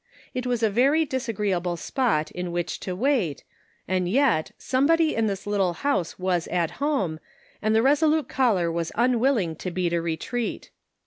It was a very disagreeable spot in which to wait, and yet, somebody in this little house was at home, and the resolute caller was un willing to beat a retreat.